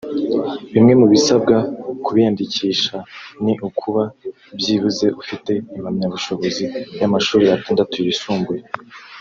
Bimwe mu bisabwa ku biyandikisha ni ukuba byibuze ufite impamyabushobozi y’amashuri atandatu yisumbuye